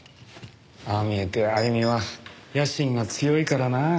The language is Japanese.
ああ見えてあゆみは野心が強いからなあ。